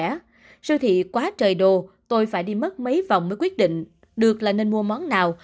khi siêu thị quá trời đồ tôi phải đi mất mấy vòng mới quyết định được là nên mua món nào